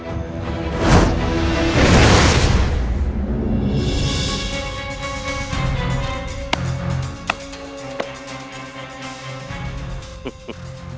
kau harus mati rara santang